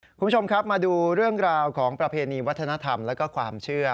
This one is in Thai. คุณผู้ชมครับมาดูเรื่องราวของประเพณีวัฒนธรรมและก็ความเชื่อ